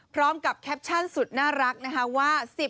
พร้อมกับแคปชั่นสุดน่ารักนะคะว่า